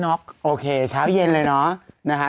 ดีเขาเลยน็อกโอเคเช้าเย็นเลยเนาะ